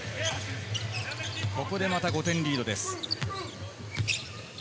ここでまた５点リードです。